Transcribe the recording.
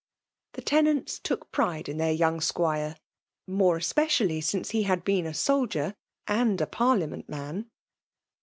The tenant^ took pride in their young squire, more especially since he had been a soldier and a parliament man.